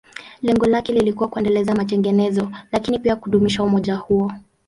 Lengo lake lilikuwa kuendeleza matengenezo, lakini pia kudumisha umoja huo.